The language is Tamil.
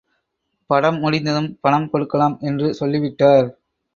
படம் முடிந்ததும் பணம் கொடுக்கலாம் என்று சொல்லிவிட்டார்.